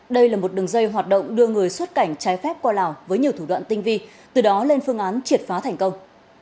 đây là một đường dây hoạt động đưa người xuất cảnh trái phép qua lào với nhiều thủ đoạn tinh vi từ đó lên phương án triệt phá thành công